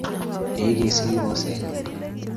Ye igesgei boisennyu